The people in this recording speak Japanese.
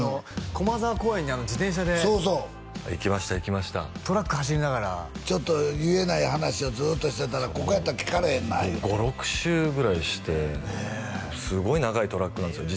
駒沢公園に自転車でそうそう行きました行きましたトラック走りながら言えない話をずっとしてたらここやったら聞かれへんないうて５６周ぐらいしてすごい長いトラックなんですよ